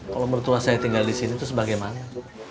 kalo mertua saya tinggal disini tuh sebagaimana tuh